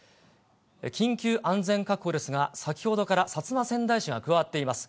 緊急安全確保ですが、先ほどから薩摩川内市が加わっています。